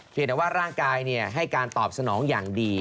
แต่ว่าร่างกายให้การตอบสนองอย่างดี